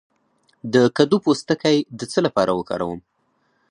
د کدو پوستکی د څه لپاره وکاروم؟